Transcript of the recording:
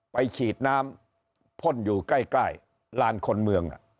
ฉีดน้ำพ่นอยู่ใกล้ลานคนเมือง